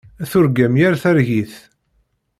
Turgam yir targit.